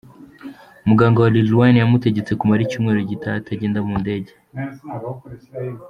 Muganga wa Lil Wayne yamutegetse kumara icyumweru gitaha atagenda mu ndege.